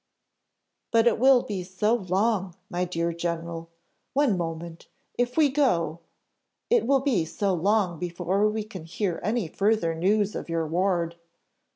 "But it will be so long, my dear general! one moment if we go, it will be so long before we can hear any further news of your ward."